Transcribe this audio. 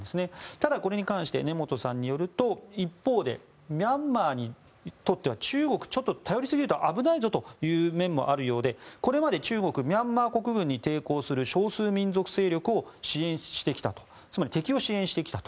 ただ、これに関して根本さんによると一方でミャンマーにとっては中国に頼りすぎると危ないぞという面もあるようでこれまで中国はミャンマー国軍に抵抗する、少数民族勢力を支援してきたつまり敵を支援してきたと。